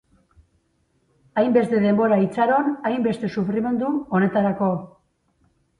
Hainbeste denbora itxaron, hainbeste sufrimendu honetarako.